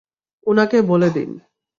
উনাকে বলে দিন।